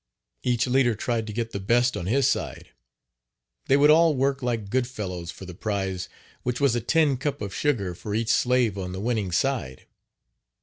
Each leader tried to get the best on his side. They would all work like good fellows for the prize, which was a tin cup of sugar for each slave on the winning side.